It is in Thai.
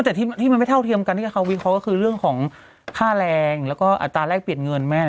แต่ที่มันไม่เท่าเทียมกันที่กับเขาวิเคราะห์ก็คือเรื่องของค่าแรงแล้วก็อัตราแรกเปลี่ยนเงินแม่